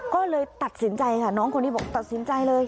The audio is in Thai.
ก็เลยตัดสินใจค่ะน้องคนนี้บอกตัดสินใจเลย